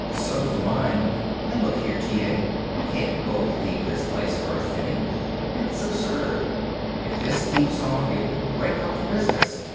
"So's mine. And look here, T. A.! We can't both leave this place for a fitting. It's absurd. If this keeps on, it will break up the business.